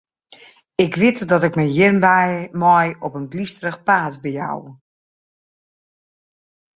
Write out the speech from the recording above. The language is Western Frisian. Ik wit dat ik my hjirmei op in glysterich paad bejou.